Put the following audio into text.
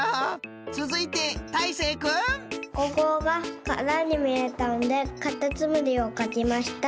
つづいて大誠くん。ここがからにみえたんでかたつむりをかきました。